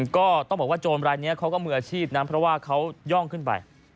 ก็ต้องบอกว่าโจรรายนี้เขาก็มืออาชีพนะเพราะว่าเขาย่องขึ้นไป